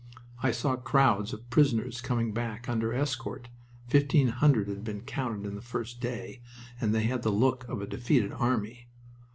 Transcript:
I saw crowds of prisoners coming back under escort, fifteen hundred had been counted in the first day, and they had the look of a defeated army.